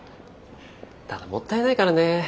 ただもったいないからね。